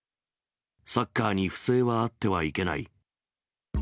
サッカーに不正はあってはいけない。